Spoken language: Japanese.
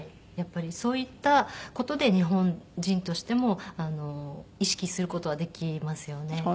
やっぱりそういった事で日本人としても意識する事はできますよね。